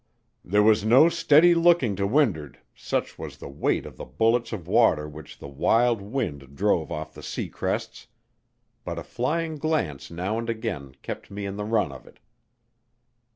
There was no steady looking to wind'ard, such was the weight of the bullets of water which the wild wind drove off the sea crests; but a flying glance now and again kept me in the run of it.